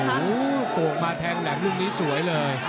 โอ้โหโตกมาแทงแหลมลูกนี้สวยเลย